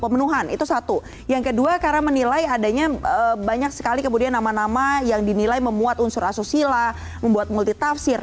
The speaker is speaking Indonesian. pemenuhan itu satu yang kedua karena menilai adanya banyak sekali kemudian nama nama yang dinilai memuat unsur asusila membuat multitafsir